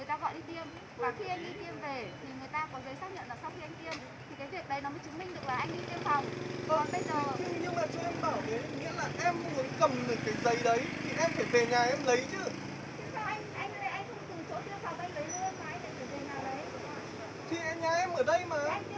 thì em phải về nhà em